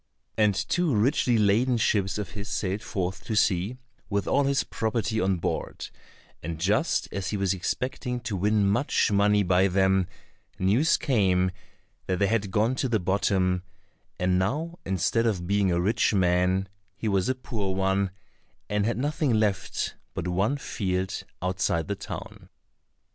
And two richly laden ships of his sailed forth to sea with all his property on board, and just as he was expecting to win much money by them, news came that they had gone to the bottom, and now instead of being a rich man he was a poor one, and had nothing left but one field outside the town.